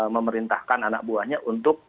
memerintahkan anak buahnya untuk